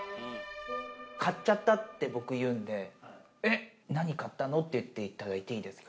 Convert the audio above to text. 買っちゃったって僕、言うんで、えっ、何買ったの？って言っていただいていいですか？